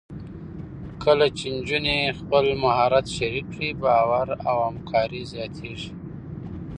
کله چې نجونې خپل مهارت شریک کړي، باور او همکاري زیاتېږي.